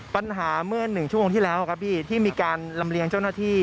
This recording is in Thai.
ปัญหาเมื่อ๑ชั่วโมงที่แล้วครับพี่ที่มีการลำเลียงเจ้าหน้าที่